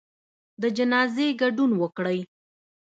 د جنازې ګډون وکړئ